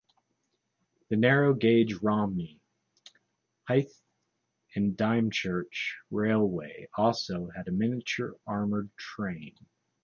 The narrow gauge Romney, Hythe and Dymchurch Railway also had a miniature armoured train.